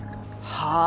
はあ？